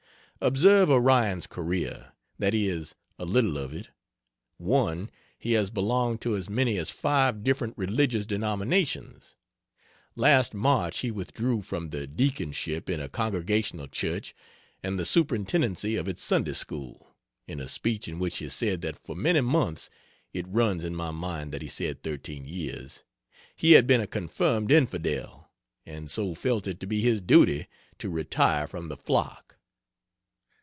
Observe Orion's career that is, a little of it: (1) He has belonged to as many as five different religious denominations; last March he withdrew from the deaconship in a Congregational Church and the Superintendency of its Sunday School, in a speech in which he said that for many months (it runs in my mind that he said 13 years,) he had been a confirmed infidel, and so felt it to be his duty to retire from the flock.